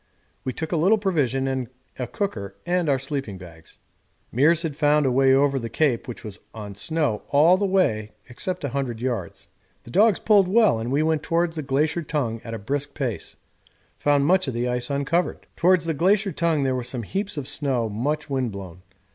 We took a little provision and a cooker and our sleeping bags. Meares had found a way over the Cape which was on snow all the way except about 100 yards. The dogs pulled well, and we went towards the Glacier Tongue at a brisk pace; found much of the ice uncovered. Towards the Glacier Tongue there were some heaps of snow much wind blown.